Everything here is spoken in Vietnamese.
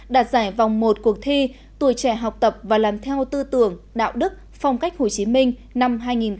đạt giải vòng một cuộc thi tuổi trẻ học tập và làm theo tư tưởng đạo đức phong cách hồ chí minh năm hai nghìn một mươi chín